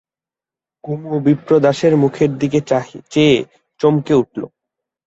কুমু বিপ্রদাসের মুখের দিকে চেয়ে চমকে উঠল।